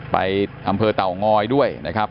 ไปอำเภอเต่างอยด้วยนะครับ